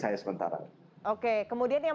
saya sementara oke kemudian yang